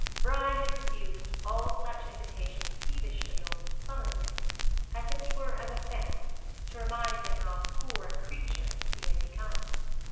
Brian had refused all such invitations peevishly or sullenly; as if it were an offence to remind him how poor a creature he had become.